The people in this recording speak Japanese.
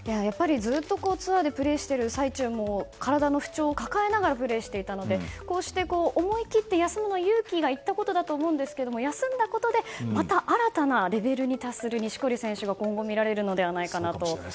ずっとツアーでプレーしている最中も体の不調を抱えながらプレーしていたので思い切って休むのは勇気がいることだったと思うんですけど休んだことでまた新たなレベルに達する錦織選手が今後見られるのではないかと。